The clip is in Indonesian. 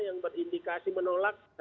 yang berindikasi menolak